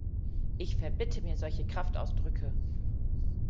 Ich verbitte mir solche Kraftausdrücke!